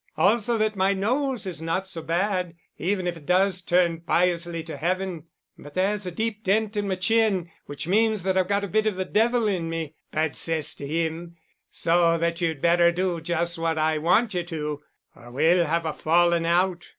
Also that my nose is not so bad, even if it does turn piously to Heaven—but there's a deep dent in my chin which means that I've got a bit of the devil in me—bad cess to him—so that you'd better do just what I want you to—or we'll have a falling out.